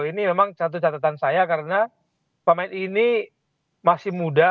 ini memang satu catatan saya karena pemain ini masih muda